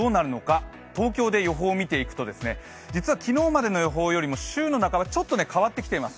東京で予報を見ていくと、実は昨日までの予報よりも週の半ば、ちょっと変わってきています。